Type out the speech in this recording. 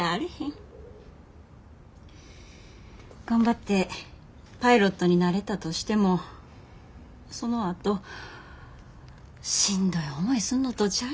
頑張ってパイロットになれたとしてもそのあとしんどい思いすんのとちゃうやろか。